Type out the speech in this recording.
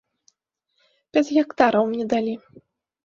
Пяць гектараў мне далі.